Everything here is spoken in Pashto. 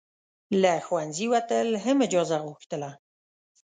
له ښوونځي وتل هم اجازه غوښتله.